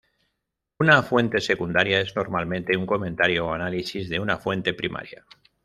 Una fuente secundaria es normalmente un comentario o análisis de una fuente primaria.